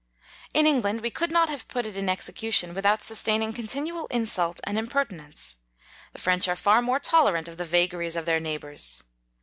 In England we could not have put it in execution without sustaining continual insult and imperti nence: the French are far more tolerant of the vagaries of their neighbours.